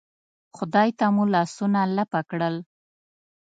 خدای ته مو لاسونه لپه کړل.